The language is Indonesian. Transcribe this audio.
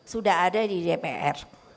sudah ada di dpr